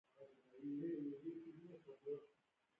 ازادي راډیو د عدالت په اړه د سیمه ییزو ستونزو حل لارې راوړاندې کړې.